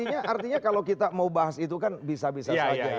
artinya kalau kita mau bahas itu kan bisa bisa saja